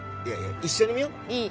一緒に見よう。